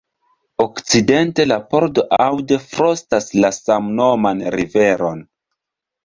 Okcidente, la pordo Aude frontas la samnoman riveron.